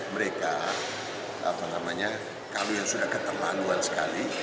mereka apa namanya kalian sudah keterlaluan sekali